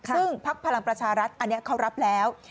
ซึ่งพักพลังประชารัฐอันนี้เขารับแล้ว